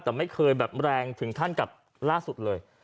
แต่ไม่เคยแบบแรงถึงขั้นกับล่าสุดเลย